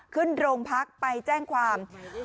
ขึ้นโรงพักไปแจ้งความ